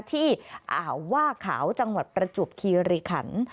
อ่าวว่าขาวจังหวัดประจวบคีริขัน